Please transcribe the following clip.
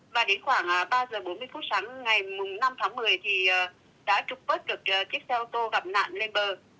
và đến khoảng ba giờ bốn mươi phút sáng ngày năm tháng một mươi thì đã trục vớt được chiếc xe ô tô gặp nạn lên bờ